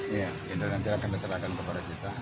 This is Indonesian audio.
iya indra nanti akan menyerahkan kepada kita